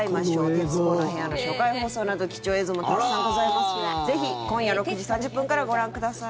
「徹子の部屋」の初回放送など貴重映像もたくさんございますからぜひ今夜６時３０分からご覧ください。